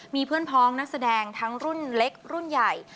มีเพื่อนพ้องนักแสดงทั้งรุ่นเล็กรุ่นใหญ่